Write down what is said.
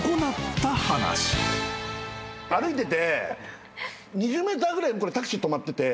歩いてて２０ｍぐらい向こうにタクシー止まってて。